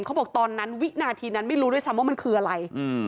เขาบอกตอนนั้นวินาทีนั้นไม่รู้ด้วยซ้ำว่ามันคืออะไร